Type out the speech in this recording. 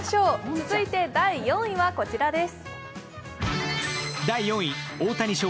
続いて第４位はこちらです。